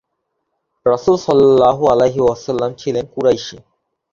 রাসূল সাল্লাল্লাহু আলাইহি ওয়াসাল্লাম ছিলেন কুরাইশী।